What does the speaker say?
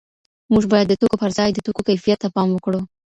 موږ باید د توکو پر ځای د توکو کیفیت ته پام وکړو.